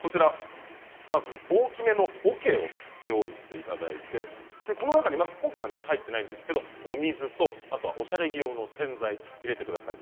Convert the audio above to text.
まず大きめのおけを用意していただいてこの中に今回は入っていないんですが、お水とおしゃれ着用の洗剤を入れてください。